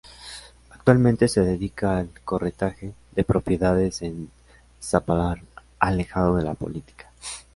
Actualmente se dedica al corretaje de propiedades en Zapallar, alejado de la política.